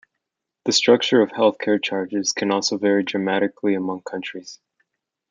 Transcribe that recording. The structure of healthcare charges can also vary dramatically among countries.